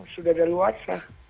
sudah ada luas